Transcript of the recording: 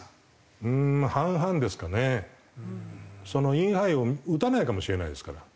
インハイを打たないかもしれないですから。